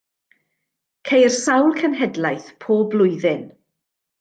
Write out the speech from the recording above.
Ceir sawl cenhedlaeth pob blwyddyn.